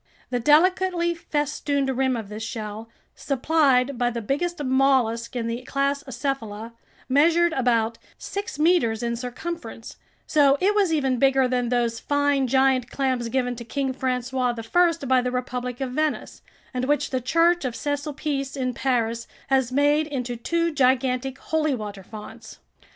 The delicately festooned rim of this shell, supplied by the biggest mollusk in the class Acephala, measured about six meters in circumference; so it was even bigger than those fine giant clams given to King François I by the Republic of Venice, and which the Church of Saint Sulpice in Paris has made into two gigantic holy water fonts.